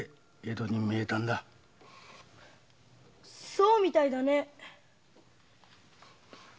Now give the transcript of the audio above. そうみたいだね。